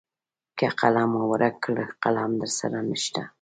که قلم مو ورک کړ قلم درسره نشته .